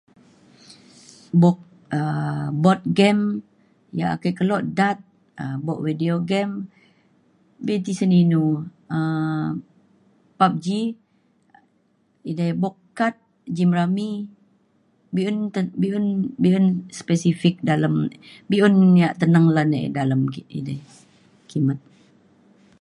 buk um board game ya' ake keluk dart um buk bideo game be tisen inu um PUBG. edai buk kad, gymrami be'un te be'un be'un spesifik dalem be'un ya' teneng lan ya' dalem kidi dei kimet.